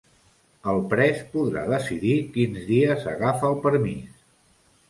El pres podrà decidir quins dies agafa el permís